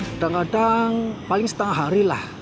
kadang kadang paling setengah hari lah